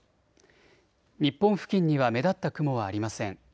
日本付近には目立った雲はありません。